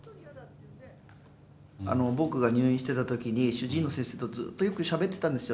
僕が入院してたときに主治医の先生とずっとよくしゃべってたんですよ。